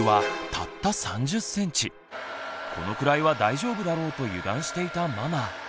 このくらいは大丈夫だろうと油断していたママ。